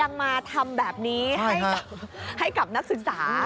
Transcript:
ยังมาทำแบบนี้ให้กับนักศึกษา